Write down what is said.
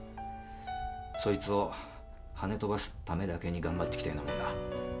そいつをはね飛ばすためだけに頑張ってきたようなもんだ。